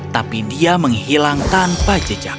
tapi dia menghilang tanpa jejak